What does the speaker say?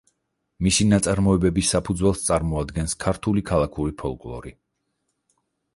მისი ნაწარმოებების საფუძველს წარმოადგენს ქართული ქალაქური ფოლკლორი.